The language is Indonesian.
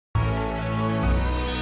tujuh kali lipat